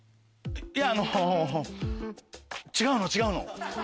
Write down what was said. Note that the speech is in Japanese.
いやあの違うの違うの。